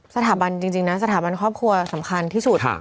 สถาบันจริงนะสหกฐานที่สำค้างที่สุด